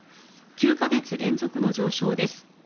９か月連続の上昇です。